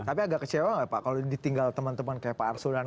tapi agak kecewa nggak pak kalau ditinggal teman teman kayak pak arsul dan